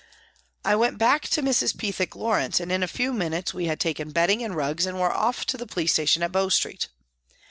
I went back to Mrs. Pethick Lawrence, and in a few minutes we had taken bedding and rugs and were off to the police station at Bow Street.